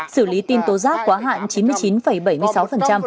xử lý tin tố giác quá hạn chín mươi chín bảy mươi sáu